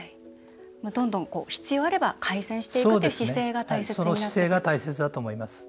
どんどん必要あれば改善していくという姿勢が大切になってきますね。